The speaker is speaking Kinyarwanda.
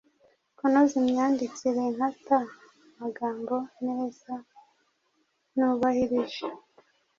Kunoza imyandikire nkata amagambo neza nubahirije